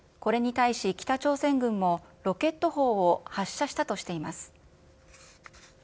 これに対し、北朝鮮軍もロケット砲を発射したとしています。